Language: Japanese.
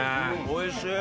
おいしい。